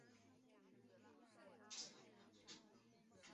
该文物保护单位由磐石市宗教局管理。